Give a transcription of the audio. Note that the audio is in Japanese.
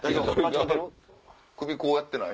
首こうやってない？